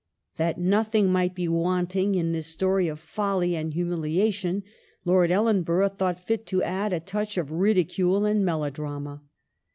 That nothing might be wanting to this story of folly and humiliation. Lord Ellenborough thought fit to add a touch of ridicule and melodrama.